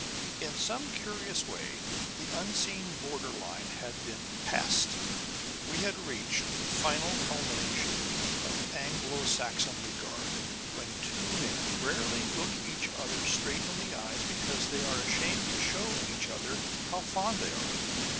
In some curious way the unseen border line had been passed. We had reached the final culmination of Anglo Saxon regard when two men rarely look each other straight in the eyes because they are ashamed to show each other how fond they are.